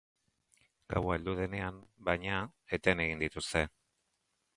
Gaua heldu denean, baina, eten egin dituzte.